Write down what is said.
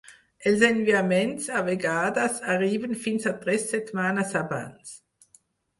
Els enviaments a vegades arriben fins a tres setmanes abans.